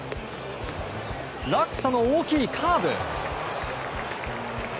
落差の大きいカーブ！